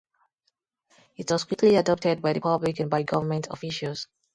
It was quickly adopted by the public and by government officials.